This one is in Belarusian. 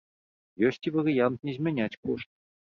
Ёсць і варыянт не змяняць кошты.